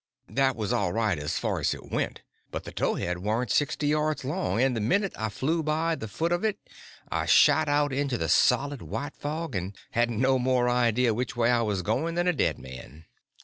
That was all right as far as it went, but the towhead warn't sixty yards long, and the minute I flew by the foot of it I shot out into the solid white fog, and hadn't no more idea which way I was going than a dead man.